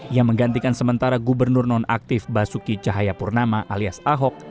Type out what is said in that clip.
ia menggantikan sementara gubernur nonaktif basuki cahayapurnama alias ahok